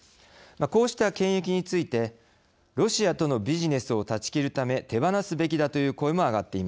こうした権益についてロシアとのビジネスを断ち切るため手放すべきだという声も上がっています。